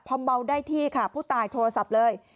พอเมาได้ที่ค่ะผู้ตายโทรศัพท์เลย